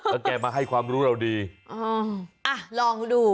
แล้วแกมาให้ความรู้เราดีอ๋ออ่ะลองดู